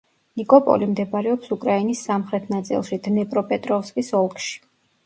ნიკოპოლი მდებარეობს უკრაინის სამხრეთ ნაწილში, დნეპროპეტროვსკის ოლქში.